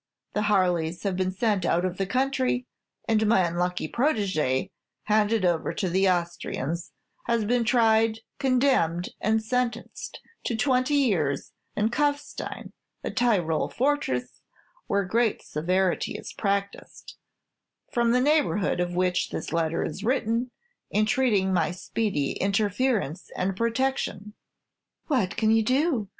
The Harleys have been sent out of the country, and my unlucky protégé, handed over to the Austrians, has been tried, condemned, and sentenced to twenty years in Kuffstein, a Tyrol fortress where great severity is practised, from the neighborhood of which this letter is written, entreating my speedy interference and protection." "What can you do?